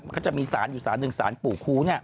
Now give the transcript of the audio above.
ก็จะมีศานอยู่ศานหนึ่งศาลปู่ครู้